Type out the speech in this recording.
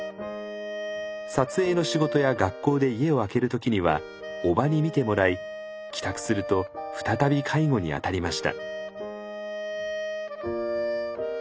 撮影の仕事や学校で家を空ける時には叔母に見てもらい帰宅すると再び介護にあたりました。